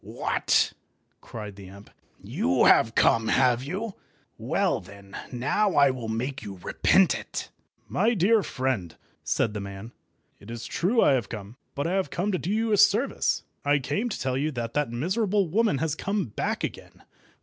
"What!" cried the imp. "You have come, have you? Well then, now, I will make you repent it." "My dear friend," said the man, "it is true I have come, but I came to do you a service. I came to tell you that that miserable woman has come back again."